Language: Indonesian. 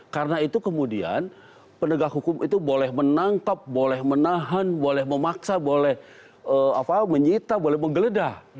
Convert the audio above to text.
karena itu kemudian penegak hukum itu boleh menangkap boleh menahan boleh memaksa boleh menyita boleh menggeledah